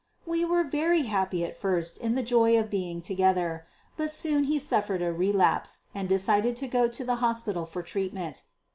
We were very happy at first in the joy of being together. But soon he suffered a relapse, and decided to go to the hospital for treatment.